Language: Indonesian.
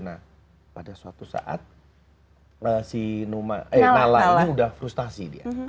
nah pada suatu saat si nala ini udah frustasi dia